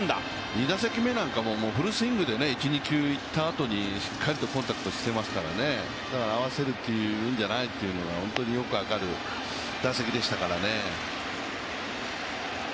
２打席目なんか、フルスイングで１、２球いった後にしっかりとコンタクトしていますからね、だから、合わせるというんじゃないというのが本当によく分かる打席でしたからね。